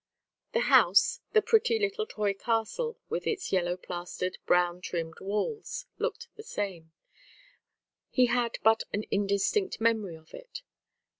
The house, the pretty little toy castle with its yellow plastered brown trimmed walls, looked the same; he had but an indistinct memory of it.